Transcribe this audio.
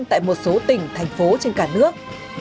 tại một số tỉnh thành phố trên cả nước